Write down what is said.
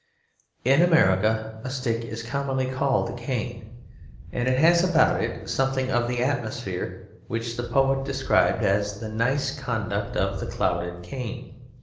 In America a stick is commonly called a cane, and it has about it something of the atmosphere which the poet described as the nice conduct of the clouded cane.